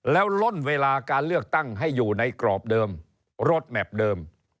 แล้วล่นเวลาการเลือกตั้งให้อยู่ในกรอบเดิมรถแมพเดิม